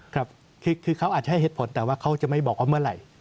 ครับคือเขาอาจจะให้เหตุผลแต่ว่าเขาจะไม่บอกว่าเมื่อไหร่